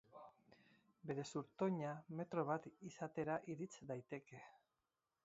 Bere zurtoina metro bat izatera irits daiteke.